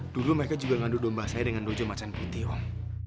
dulu mereka juga mengandung domba saya dengan dojo macan putih om